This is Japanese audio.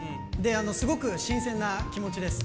すごく新鮮な気持ちです。